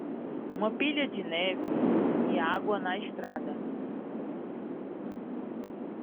uma pilha de neve e água na estrada